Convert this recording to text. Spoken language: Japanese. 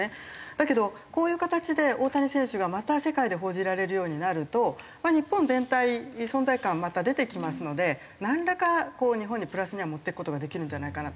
だけどこういう形で大谷選手がまた世界で報じられるようになると日本全体存在感また出てきますのでなんらかこう日本にプラスには持っていく事ができるんじゃないかなと。